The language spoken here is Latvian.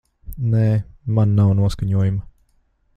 Nē, man nav noskaņojuma.